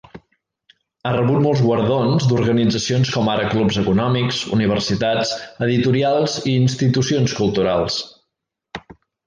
Ha rebut molts guardons d'organitzacions com ara clubs econòmics, universitats, editorials i institucions culturals.